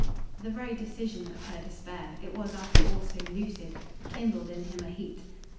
The very decision of her despair it was after all so lucid kindled in him a heat.